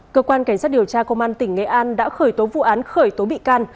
cơ quan cảnh sát điều tra công an tỉnh nghệ an đã khởi tố vụ án khởi tố bị can